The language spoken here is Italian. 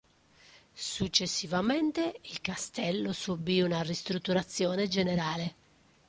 Successivamente il castello subì una ristrutturazione generale.